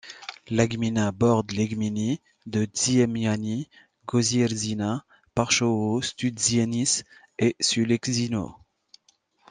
La gmina borde les gminy de Dziemiany, Kościerzyna, Parchowo, Studzienice et Sulęczyno.